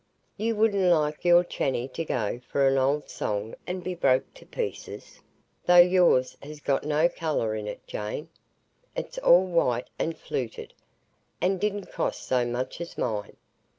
You wouldn't like your chany to go for an old song and be broke to pieces, though yours has got no colour in it, Jane,—it's all white and fluted, and didn't cost so much as mine.